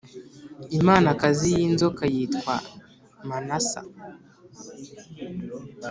imanakazi y’inzoka yitwa manasa